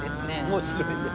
面白いね。